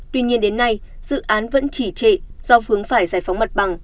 tuy nhiên đến nay dự án vẫn chỉ trệ do vướng phải giải phóng mặt bằng